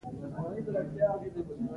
جګړه ظلم زیاتوي